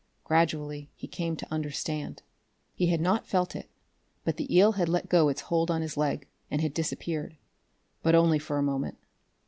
Gradually he came to understand. He had not felt it, but the eel had let go its hold on his leg, and had disappeared. But only for a moment.